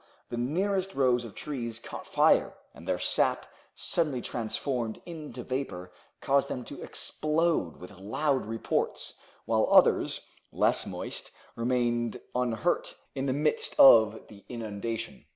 The nearest rows of trees caught fire, and their sap, suddenly transformed into vapor, caused them to explode with loud reports, while others, less moist, remained unhurt in the midst of the inundation.